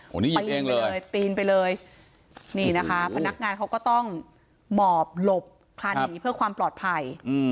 โอ้โหปีนไปเลยปีนไปเลยนี่นะคะพนักงานเขาก็ต้องหมอบหลบคลานหนีเพื่อความปลอดภัย